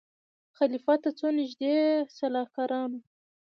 خلیفه ته څو نیژدې سلاکارانو